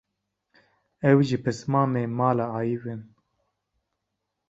ew jî pismamê mala Ayiw in